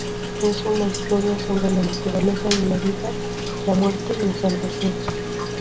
Es una historia sobre la naturaleza de la vida, la muerte y la salvación.